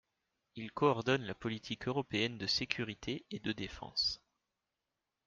Il coordonne la Politique européenne de sécurité et de défense.